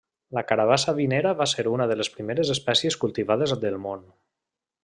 La carabassa vinera va ser una de les primeres espècies cultivades del món.